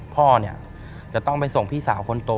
พ่อจะต้องไปส่งพี่สาวคนโต